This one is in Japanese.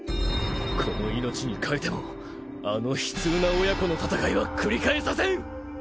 この命に代えてもあの悲痛な親子の戦いは繰り返させん！